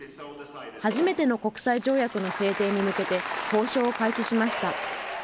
初めての国際条約の制定に向けて交渉を開始しました。